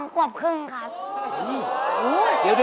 ๒กว่าครึ่งครับ